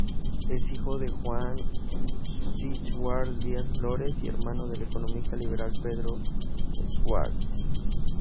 Es hijo de Juan Schwartz Díaz-Flores y hermano del economista liberal Pedro Schwartz.